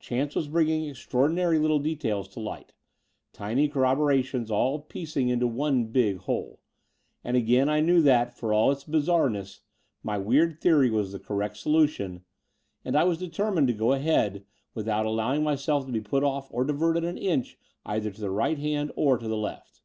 Chance was bringing extraordinary little details to light — ^tiny corrobo rations all piecing into one big whole: and again I knew that, for all its bizarreness, my weird theory was the correct solution, and I was deter mined to go ahead without allowing myself to be put off or diverted an inch either to the right hand or to the left.